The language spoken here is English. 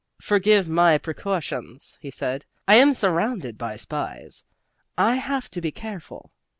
"Forgive my precautions," he said. "I am surrounded by spies. I have to be careful.